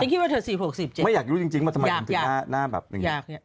ฉันคิดว่าเธอ๔๐๖๐๗๐ไม่อยากรู้จริงมันสมัยถึง๑๕หน้าแบบอย่างนี้